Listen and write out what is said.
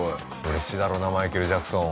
嬉しいだろうなマイケル・ジャクソン。